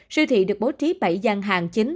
siêu thị được bố trí bảy gian hàng chính